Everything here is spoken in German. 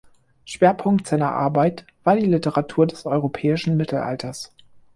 Schwerpunkt seiner Arbeit war die Literatur des europäischen Mittelalters.